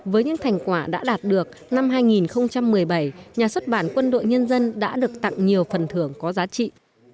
với những thành quả đã đạt được năm hai nghìn một mươi bảy nhà xuất bản quân đội nhân dân đã được tặng nhiều phần thưởng có giá trị